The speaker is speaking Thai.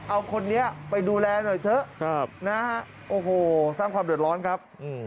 เอาคนนี้ไปดูแลหน่อยเถอะนะฮะโอ้โหสร้างความเดือดร้อนครับ